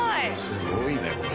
すごいねこれ。